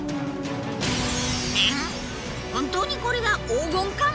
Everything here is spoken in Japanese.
本当にこれが黄金仮面！？